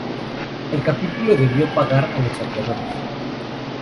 El capítulo debió pagar a los saqueadores.